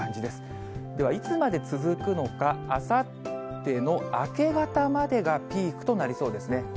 ではいつまで続くのか、あさっての明け方までがピークとなりそうですね。